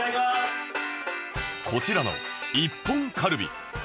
こちらの一本カルビ